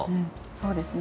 そうですね。